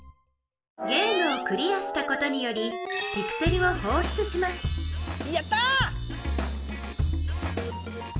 ゲームをクリアしたことによりピクセルをほうしゅつしますやった！